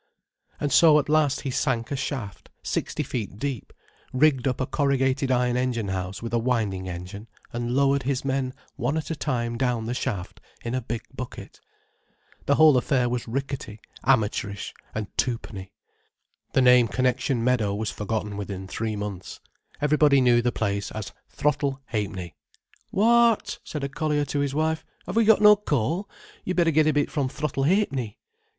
And so at last he sank a shaft, sixty feet deep, rigged up a corrugated iron engine house with a winding engine, and lowered his men one at a time down the shaft, in a big bucket. The whole affair was ricketty, amateurish, and twopenny. The name Connection Meadow was forgotten within three months. Everybody knew the place as Throttle Ha'penny. "What!" said a collier to his wife: "have we got no coal? You'd better get a bit from Throttle Ha'penny."